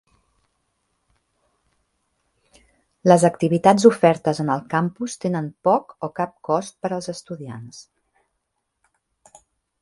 Les activitats ofertes en el campus tenen poc o cap cost per als estudiants.